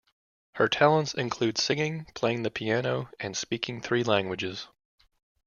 Her talents included singing, playing the piano, and speaking three languages.